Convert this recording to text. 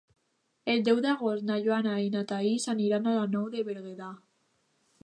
El deu d'agost na Joana i na Thaís aniran a la Nou de Berguedà.